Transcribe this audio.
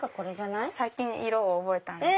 最近色を覚えたんで。